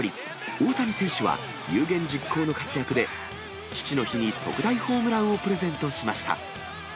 大谷選手は有言実行の活躍で、父の日に特大ホームランをプレゼントしました。